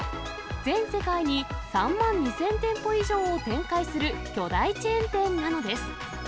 全世界に３万２０００店舗以上を展開する巨大チェーン店なのです。